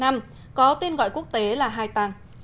bão số năm có tên gọi quốc tế là hai tàng